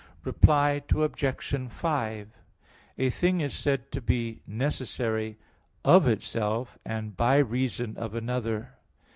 Reply Obj. 5: A thing is said to be necessary "of itself," and "by reason of another."